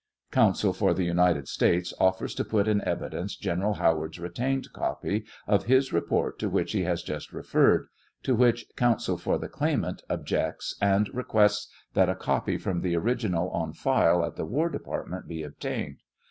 [Counsel for the United States offers to put in evi dence General Howard's retained copy of his report to which he has just referred, to which Counsel for the claimant objects, and requests that a copy from the original on file at the War Department be obtained.